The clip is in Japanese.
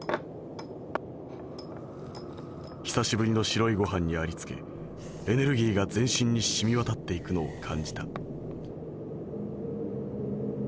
久しぶりの白いご飯にありつけエネルギーが全身にしみわたっていくのを感じた」。